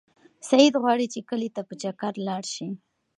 سعید غواړي چې کلي ته په چکر لاړ شي.